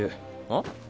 あっ？